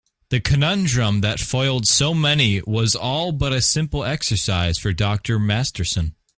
The conundrum that foiled so many was all but a simple exercise for Dr. Masterson.